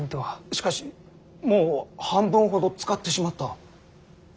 しかしもう半分ほど使ってしまった。